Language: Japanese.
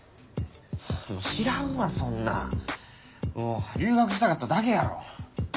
知らんわそんなん。留学したかっただけやろ。